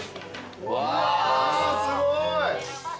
うわすごい！